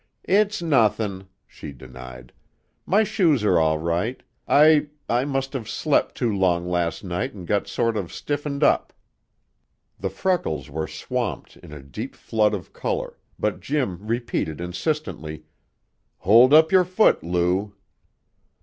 "It's nothin'," she denied. "My shoes are all right. I I must've slept too long last night an' got sort of stiffened up." The freckles were swamped in a deep flood of color, but Jim repeated insistently: "Hold up your foot, Lou."